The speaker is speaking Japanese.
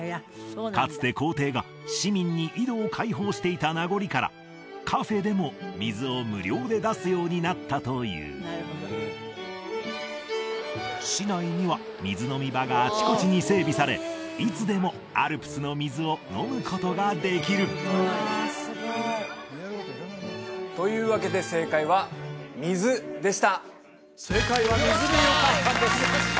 かつて皇帝が市民に井戸を開放していた名残からカフェでも水を無料で出すようになったという市内には水飲み場があちこちに整備されいつでもアルプスの水を飲むことができるというわけで正解は「水」でした正解は「水」でよかったんです